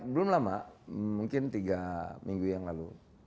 belum lama mungkin tiga minggu yang lalu